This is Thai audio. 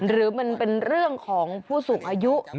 หรือมันเป็นเรื่องของผู้สูงอายุ